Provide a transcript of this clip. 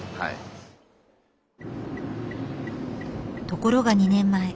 ところが２年前。